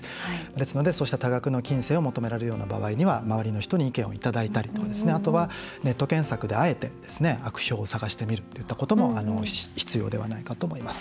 ですので、そうした多額の金銭を求められるような場合には周りの人に意見をいただいたりあとは、ネット検索であえて悪評を探してみるといったことも必要ではないかと思います。